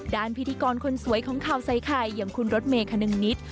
พิธีกรคนสวยของข่าวใส่ไข่อย่างคุณรถเมย์คนึงนิด